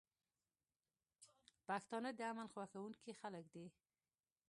پښتانه د امن خوښونکي خلک دي.